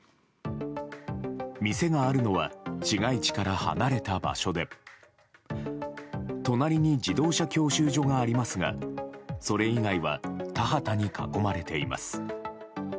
店があるのは市街地から離れた場所で隣に自動車教習所がありますがそれ以外は田畑に囲まれています。